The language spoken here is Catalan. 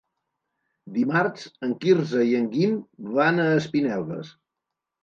Dimarts en Quirze i en Guim van a Espinelves.